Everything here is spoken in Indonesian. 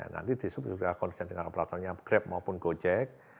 nanti disuruh juga koordinasi dengan operatornya grab maupun gojek